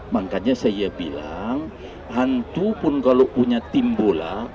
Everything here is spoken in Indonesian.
makanya saya bilang hantu pun kalau punya tim bola